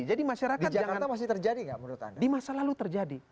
jadi masyarakat di jakarta di masa lalu terjadi